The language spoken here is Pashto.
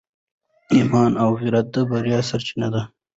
ایمان او غیرت د بریا سرچینې دي.